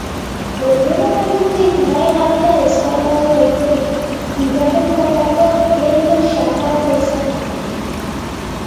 Ordenagailutik, mahai gainera deskargatu daiteke, bilaketarako geldo xamarra izan arren.